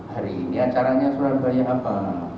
hari ini acaranya surabaya apa